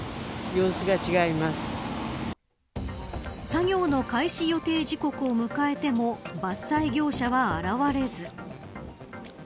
作業の開始予定時刻を迎えても伐採業者は現れず。